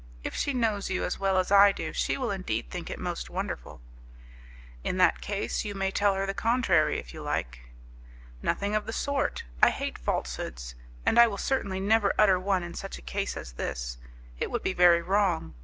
If she knows you as well as I do, she will indeed think it most wonderful." "In that case, you may tell her the contrary, if you like." "Nothing of the sort. I hate falsehoods, and I will certainly never utter one in such a case as this; it would be very wrong.